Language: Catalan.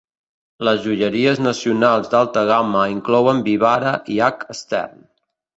Les joieries nacionals d'alta gamma inclouen Vivara i H Stern.